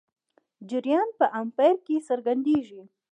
جریان په امپیر کې څرګندېږي.